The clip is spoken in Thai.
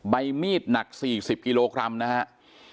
ใบมีดหนัก๔๐กิโลกรัมนะครับ